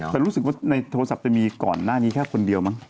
แต่รู้สึกว่าในโทรศัพท์จะมีก่อนหน้านี้แค่คนเดียวมั้ง